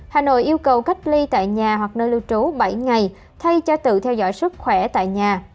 hà nội yêu cầu cách ly tại nhà hoặc nơi lưu trú bảy ngày thay cho tự theo dõi sức khỏe tại nhà